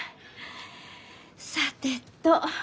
さてと。